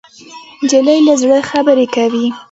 نجلۍ له زړه خبرې کوي.